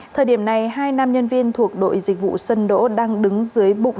thời điểm này hai nam nhân viên thuộc đội dịch vụ sân đỗ đang đứng dưới bục